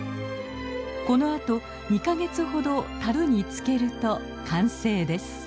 このあと２か月ほどたるに漬けると完成です。